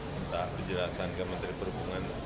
minta penjelasan ke menteri perhubungan